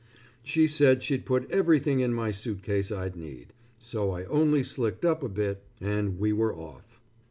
She said she'd put everything in my suit case I'd need, so I only slicked up a bit and we were off.